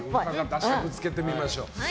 明日、ぶつけてみましょう。